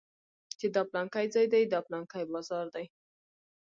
چې دا پلانکى ځاى دى دا پلانکى بازار دى.